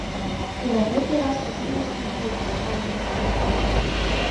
І на гэты раз ужо не згубіў майго нумару тэлефона.